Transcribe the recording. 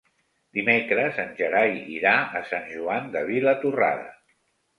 Dimecres en Gerai irà a Sant Joan de Vilatorrada.